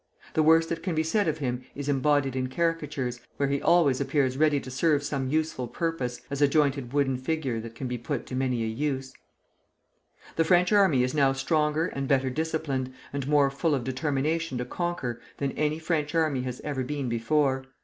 The worst that can be said of him is embodied in caricatures, where he always appears ready to serve some useful purpose, as a jointed wooden figure that can be put to many a use. The French army is now stronger and better disciplined, and more full of determination to conquer, than any French army has ever been before.